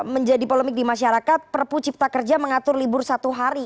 menjadi polemik di masyarakat perpu cipta kerja mengatur libur satu hari